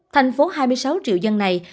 thành phố hai mươi sáu triệu dân này